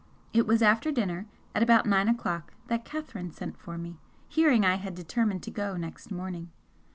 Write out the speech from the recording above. It was after dinner, at about nine o'clock, that Catherine sent for me, hearing I had determined to go next morning.